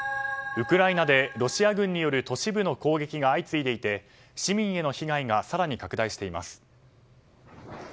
ウクライナでロシア軍による都市部の攻撃が相次いでいて市民への被害が更に拡大しています。